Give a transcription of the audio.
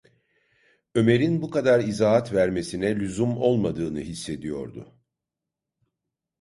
Ömer’in bu kadar izahat vermesine lüzum olmadığını hissediyordu.